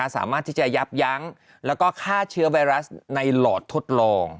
สามารถที่จะยับยั้งแล้วก็ฆ่าเชื้อไวรัสในหลอดทดลอง